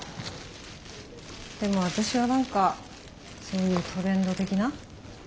でも私は何かそういうトレンド的な？